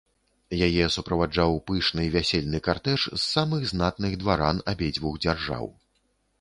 Яе суправаджаў пышны вясельны картэж з самых знатных дваран абедзвюх дзяржаў.